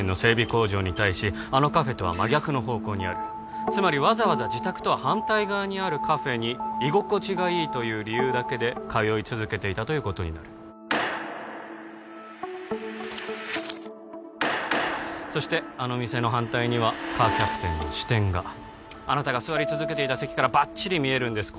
工場に対しあのカフェとは真逆の方向にあるつまりわざわざ自宅とは反対側にあるカフェに居心地がいいという理由だけで通い続けていたということになるそしてあの店の反対にはカーキャプテンの支店があなたが座り続けていた席からバッチリ見えるんです